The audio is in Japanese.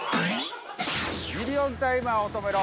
ミリオンタイマーを止めろ！